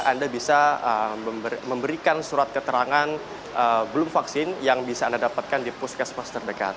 anda bisa memberikan surat keterangan belum vaksin yang bisa anda dapatkan di puskesmas terdekat